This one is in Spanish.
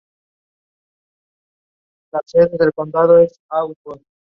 Posteriormente comenzó su producción con Cartoon Network.